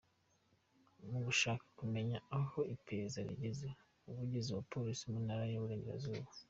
Mu gushaka kumenya aho iperereza rigeze, Umuvugizi wa Polisi mu Ntara y’Iburengerazuba,